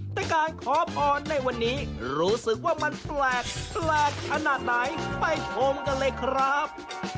แต่การขอพรในวันนี้รู้สึกว่ามันแปลกแปลกขนาดไหนไปชมกันเลยครับ